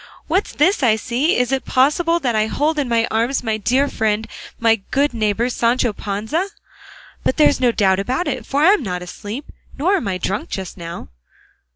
What's this I see? Is it possible that I hold in my arms my dear friend, my good neighbour Sancho Panza? But there's no doubt about it, for I'm not asleep, nor am I drunk just now."